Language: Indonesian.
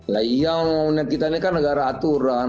ya iya menurut kita ini kan negara aturan